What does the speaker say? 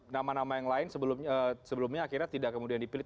nama nama yang lain sebelumnya akhirnya tidak kemudian dipilih